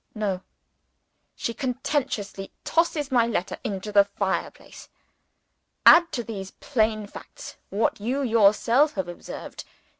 No! She contemptuously tosses my letter into the fire place. Add to these plain facts what you yourself have observed.